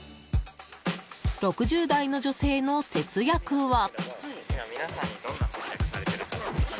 ６０代の女性の節約は。